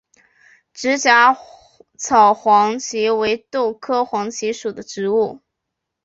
直荚草黄耆为豆科黄芪属的植物。